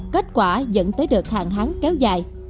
kết quả dẫn tới đợt hạn hán kéo dài